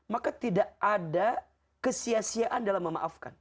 maka tidak ada kesia siaan dalam memaafkan